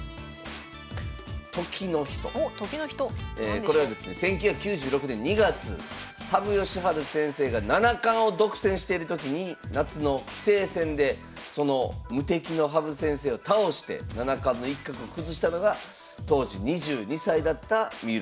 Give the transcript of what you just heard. これはですね１９９６年２月羽生善治先生が七冠を独占してる時に夏の棋聖戦でその無敵の羽生先生を倒して七冠の一角を崩したのが当時２２歳だった三浦先生でございます。